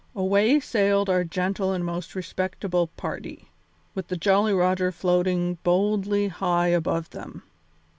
Away sailed our gentle and most respectable party, with the Jolly Roger floating boldly high above them.